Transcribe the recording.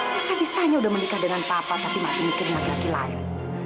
bisa bisanya udah menikah dengan papa tapi masih mikirin laki laki lain